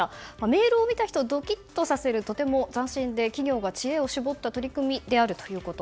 メールを見た人をドキッとさせるとても斬新で企業が知恵を絞った取り組みであるということ。